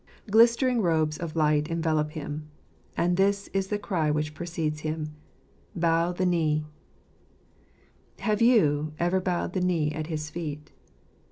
Glistering robes of light envelop Him. And this is the cry which precedes Him, "Bow the kneel" Have you ever bowed the knee at his feet